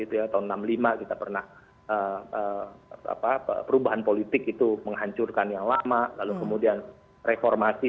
itu tahun enam puluh lima kita pernah apa perubahan politik itu menghancurkan yang lama lalu kemudian reformasi